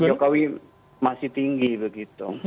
jokowi masih tinggi begitu